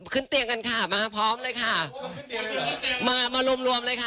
ขึ้นเตียงกันค่ะมาพร้อมเลยค่ะมามารวมรวมเลยค่ะ